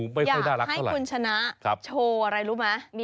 มีหลายคนเลยส่งมาว่าอยากให้คุณชนะโชว์อะไรรู้ไหม